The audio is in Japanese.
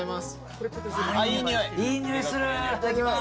いただきます。